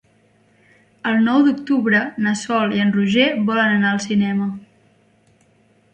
El nou d'octubre na Sol i en Roger volen anar al cinema.